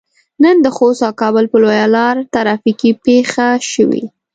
نن د خوست او کابل په لويه لار ترافيکي پېښه شوي.